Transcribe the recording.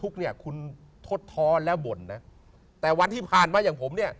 เนี่ยคุณทดท้อนและบ่นนะแต่วันที่ผ่านมาอย่างผมเนี่ย